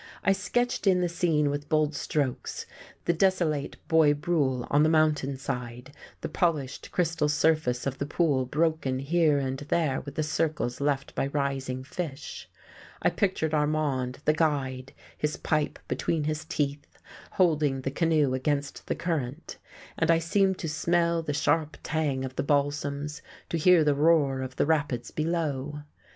I sketched in the scene with bold strokes; the desolate bois brule on the mountain side, the polished crystal surface of the pool broken here and there with the circles left by rising fish; I pictured Armand, the guide, his pipe between his teeth, holding the canoe against the current; and I seemed to smell the sharp tang of the balsams, to hear the roar of the rapids below.